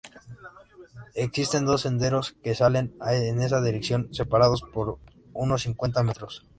Existen dos senderos que salen en esa dirección, separados por unos cincuenta metros.